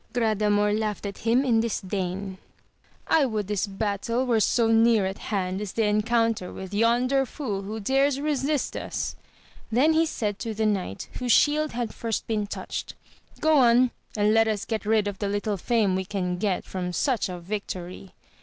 Gra damor laughed at him in disdain — I would this battle were so near at hand as the encounter with yonder fool who dares resist us ! then he said to the knight, whose shield had first been touched, Go on, and let us get rid of the little fame we can get from such a yio AMADIS OF GAUL. 5 toiy